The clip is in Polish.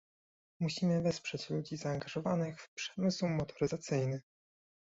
Musimy wesprzeć ludzi zaangażowanych w przemysł motoryzacyjny